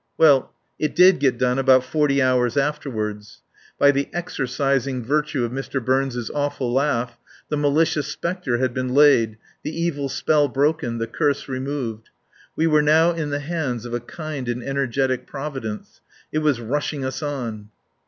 Well it did get done about forty hours afterward. By the exorcising virtue of Mr. Burns' awful laugh, the malicious spectre had been laid, the evil spell broken, the curse removed. We were now in the hands of a kind and energetic Providence. It was rushing us on.